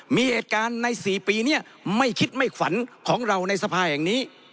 มีเหตุการณ์ใน๔ปีนี้ไม่คิดไม่ฝันของเราในสภาแห่งนี้